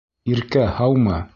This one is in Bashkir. Иркә, һаумы.